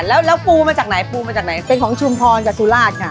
แล้วปูมาจากไหนปูมาจากไหนเป็นของชุมพรกับสุราชค่ะ